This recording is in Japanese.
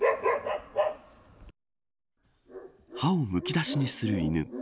歯をむき出しにする犬。